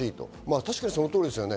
確かにその通りですね。